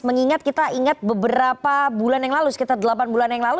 mengingat kita ingat beberapa bulan yang lalu sekitar delapan bulan yang lalu